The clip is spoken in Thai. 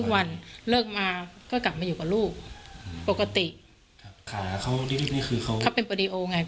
แขกงานเขาที่นี่คือเขาใช่ไหม